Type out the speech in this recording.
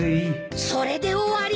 それで終わり？